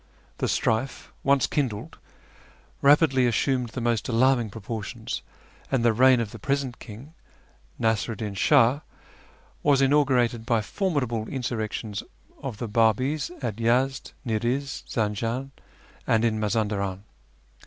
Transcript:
The strife, once kindled, rapidly assumed the most alarming proportions, and the reign of the present king, ISTasiru'd Din Shah, was inaugurated by formidable insurrections of the Babis at Yezd, Ni'riz, Zanjan, and in Mazandaran.